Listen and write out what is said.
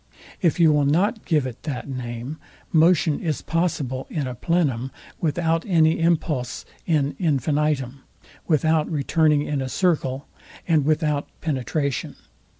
If you will not give it that name, motion is possible in a plenum, without any impulse in infinitum, without returning in a circle, and without penetration.